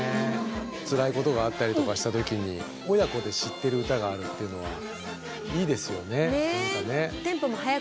つらいことがあったりとかしたときに親子で知ってるうたがあるっていうのはいいですよねなんかね。